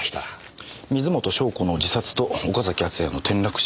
水元湘子の自殺と岡崎敦也の転落死